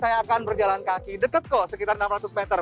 saya akan berjalan kaki deket kok sekitar enam ratus meter